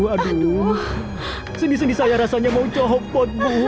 aduh sendi sendi saya rasanya mau cobot bu